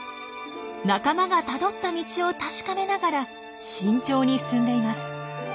仲間がたどった道を確かめながら慎重に進んでいます。